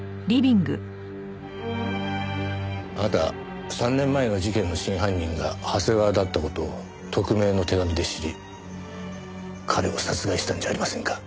あなた３年前の事件の真犯人が長谷川だった事を匿名の手紙で知り彼を殺害したんじゃありませんか？